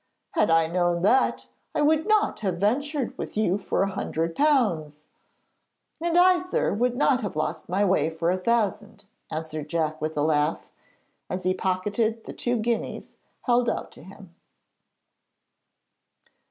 'Had I known that, I would not have ventured with you for a hundred pounds.' 'And I, sir, would not have lost my way for a thousand,' answered Jack with a laugh, as he pocketed the two guineas held out to him.